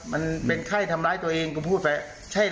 วันนั้นวันที่เท้าไหร่